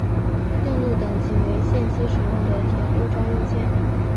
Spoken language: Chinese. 线路等级为限期使用的铁路专用线。